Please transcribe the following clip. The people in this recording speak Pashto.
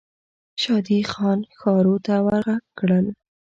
شادي خان ښارو ته ور ږغ کړل.